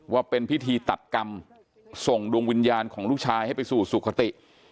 ว่าเป็นพิธีตัดกรรมส่งดวงวิญญาณของลูกชายให้ไปสู่สุขติ